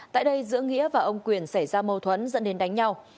tại đây giữa nghĩa và ông quyền xảy ra mâu thuẫn dẫn đến đánh nhau